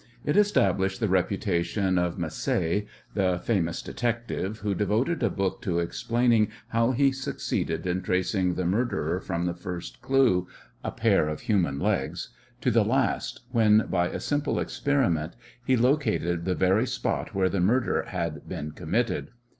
It established the reputation of Macé, the famous detective, who devoted a book to explaining how he succeeded in tracing the murderer from the first clue a pair of human legs to the last, when, by a simple experiment, he located the very spot where the murder had been committed.